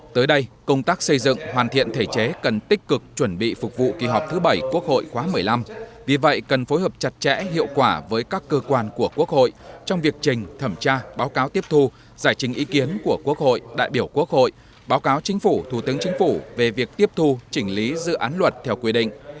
tới đây công tác xây dựng hoàn thiện thể chế cần tích cực chuẩn bị phục vụ kỳ họp thứ bảy quốc hội khóa một mươi năm vì vậy cần phối hợp chặt chẽ hiệu quả với các cơ quan của quốc hội trong việc trình thẩm tra báo cáo tiếp thu giải trình ý kiến của quốc hội đại biểu quốc hội báo cáo chính phủ thủ tướng chính phủ về việc tiếp thu chỉnh lý dự án luật theo quy định